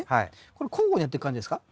これ交互にやっていく感じですか？